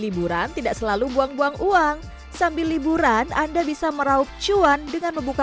hiburan tidak selalu buang buang uang sambil liburan anda bisa meraup cuan dengan membuka